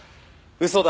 嘘だ。